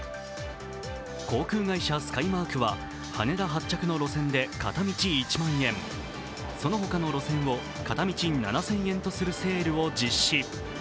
航空会社スカイマークは羽田発着の路線で片道１万円、その他の路線を片道７０００円とするセールを実施。